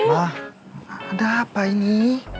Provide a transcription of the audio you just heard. mah ada apa ini